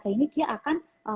ini dia akan